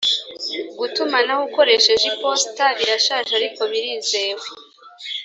gutumanaho ukoresheje iposita birashaje ariko birizewe